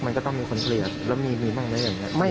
มันก็ต้องมีคนเคลียร์แล้วมีบ้างไหมอย่างนี้